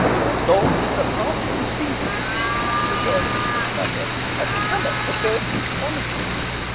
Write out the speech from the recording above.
"Thy lord is an arch deceiver," rejoined Mistress Nutter; "and cannot perform his promises.